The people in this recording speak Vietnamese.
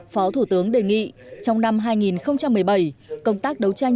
phó thủ tướng đề nghị trong năm hai nghìn một mươi bảy công tác đấu tranh